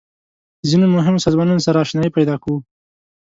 د ځینو مهمو سازمانونو سره آشنایي پیدا کوو.